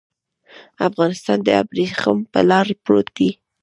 افغانستان د ابريښم پر لار پروت دی.